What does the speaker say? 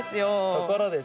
ところでさ。